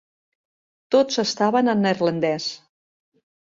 Tots estaven en neerlandès.